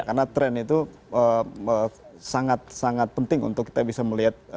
karena trend itu sangat sangat penting untuk kita bisa melihat